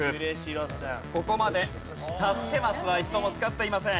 ここまで助けマスは一度も使っていません。